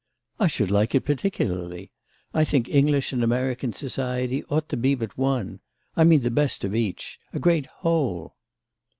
"I should like it particularly. I think English and American society ought to be but one. I mean the best of each. A great whole."